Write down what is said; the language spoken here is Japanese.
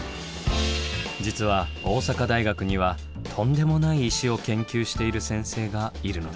実は大阪大学にはとんでもない石を研究している先生がいるのです。